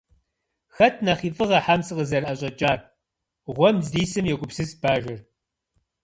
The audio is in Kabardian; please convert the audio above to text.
- Хэт нэхъ и фӏыгъэ хьэм сыкъызэрыӏэщӏэкӏар? - гъуэм здисым йогупсыс бажэр.